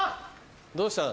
どうしたの？